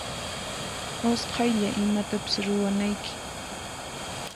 Usqaylla imatapis ruwanayki.